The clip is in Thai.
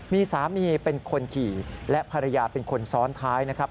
มีสามีเป็นคนขี่และภรรยาเป็นคนซ้อนท้ายนะครับ